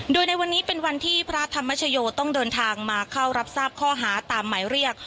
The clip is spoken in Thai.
โดยในวันนี้เป็นวันที่พระธรรมชโยต้องเดินทางมาเข้ารับทราบข้อหาตามหมายเรียก